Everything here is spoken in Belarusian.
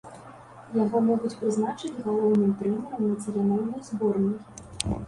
Яго могуць прызначыць галоўным трэнерам нацыянальнай зборнай.